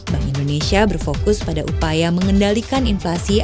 bank indonesia berfokus pada upaya mengendalikan inflasi